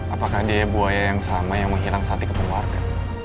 apakah dia buaya yang sama yang menghilang sati keperluarga